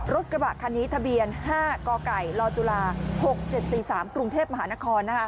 รถกระบะคันนี้ทะเบียนห้ากไก่รจุฬาหกเจ็ดสี่สามกรุงเทพมหานครนะฮะ